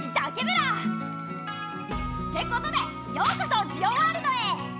てことでようこそジオワールドへ！